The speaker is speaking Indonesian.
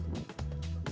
jalur lintas selatan